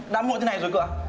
đã muộn thế này rồi cơ à